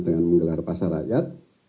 dengan menggelar pasar rakyat